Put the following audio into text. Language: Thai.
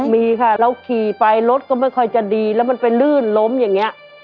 มีค่ะเราขี่ไปรถก็ไม่ค่อยจะดีแล้วมันไปลื่นล้มอย่างนี้